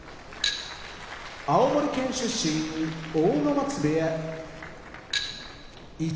青森県出身阿武松部屋一